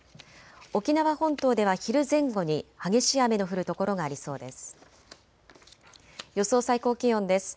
沖縄本島では昼前後に激しい雨の降る所がありそうです。